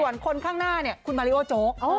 ส่วนคนข้างหน้าคุณมาริโอโจ